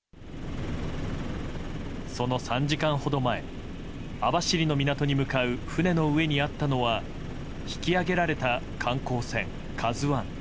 その３時間ほど前網走の港に向かう船の上にあったのは引き揚げられた観光船「ＫＡＺＵ１」。